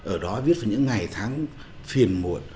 ở đó viết về những ngày tháng phiền muộn